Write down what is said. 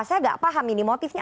saya nggak paham ini motifnya